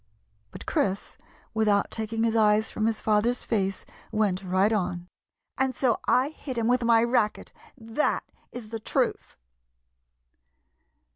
But Chris, without taking his eyes from his father's face, went right on —" and so I hit him with my racket. That is the truth."